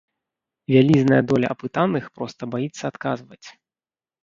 Вялізная доля апытаных проста баіцца адказваць.